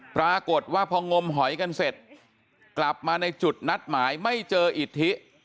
ปรากฏว่าพองมหอยกันเสร็จกลับมาในจุดนัดหมายไม่เจออิทธิ